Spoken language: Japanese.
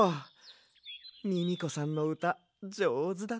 ミミコさんのうたじょうずだったな。